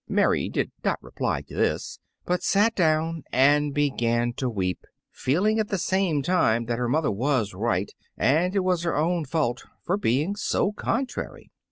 Mary did not reply to this, but sat down and began to weep, feeling at the same time that her mother was right and it was her own fault for being so contrary.